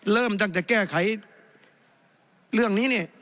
เริ่มตั้งแต่แก้ไขเรื่องนี้เนี่ย